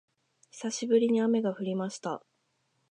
久しぶりに雨が降りました